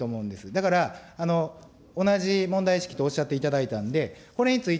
だから、同じ問題意識とおっしゃっていただいたんで、これについ